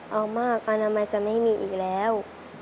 เอามากอนามัยจะไม่มีอีกแล้ว